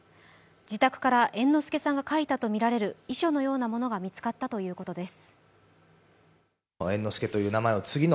自宅から猿之助さんが書いたとみられる遺書のようなものが見つかったということです。